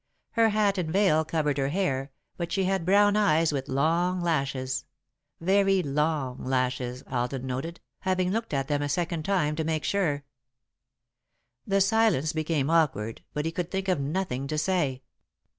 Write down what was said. Her hat and veil covered her hair, but she had brown eyes with long lashes. Very long lashes, Alden noted, having looked at them a second time to make sure. [Sidenote: A Child of the City] The silence became awkward, but he could think of nothing to say.